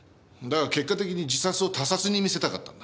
だが結果的に自殺を他殺に見せたかったんだ。